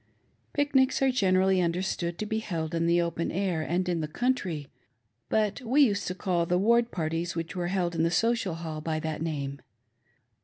Pic nics are generally understood to be held in the open air, and in the country ; but we used to call the ward parties which were held in the Social Hall by that name.